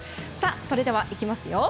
それでは、いきますよ。